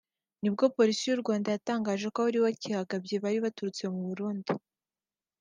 nibwo Polisi y’u Rwanda yatangaje ko abakihagabye bari baturutse mu Burundi